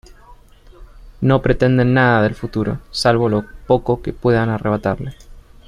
No pretenden nada del futuro salvo lo poco que puedan arrebatarle.